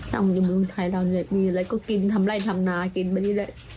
ต้องอยู่บริษัทไทยเรามีอะไรก็กินทำไร้ทำนากินไปนี่แหละ